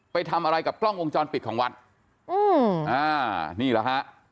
ไปทำอะไรกับกล้องวงจรปิดของวัดอืมอ่านี่แหละฮะ